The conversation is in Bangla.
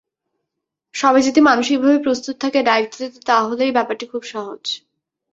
সবাই যদি মানসিকভাবে প্রস্তুত থাকে ডাইভ দিতে, তাহলেই ব্যাপারটি খুব সহজ।